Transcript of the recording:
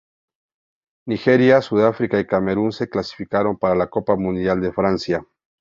Nigeria, Sudáfrica y Camerún se clasificaron para la Copa Mundial en Francia.